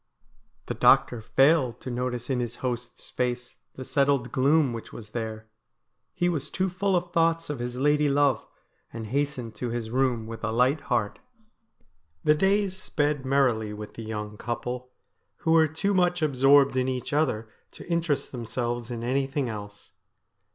The doctor failed to notice in his host's face the settled THE PIPER OF CULLODEN 59 gloom which was there ; he was too full of thoughts of his lady love, and hastened to his room with a light heart. The days sped merrily with the young couple, who were too much absorbed in each other to interest themselves in anything else.